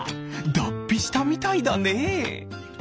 だっぴしたみたいだねえ。